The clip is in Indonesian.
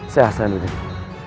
saya selalu dihidupkan